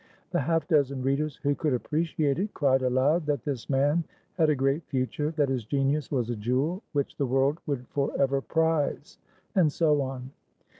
The half dozen readers who could appreciate it cried aloud that this man had a great future, that his genius was a jewel which the world would for ever prizeand so on.